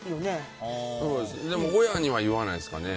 でも親には言わないですかね。